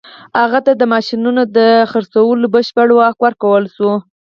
هغه ته د ماشينونو د پلورلو بشپړ واک ورکړل شو.